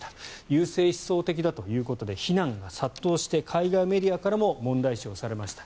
優生思想的だということで非難が殺到して海外メディアからも問題視をされました。